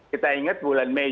kita ingat bulan mei